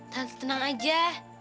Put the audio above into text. tante tenang aja